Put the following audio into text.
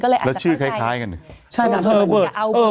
แล้วชื่อคล้ายกัน